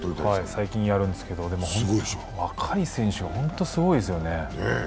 最近やるんですけど、若い選手が本当にすごいですよね。